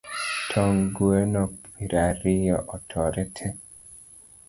Tong' gweno prariyo otore te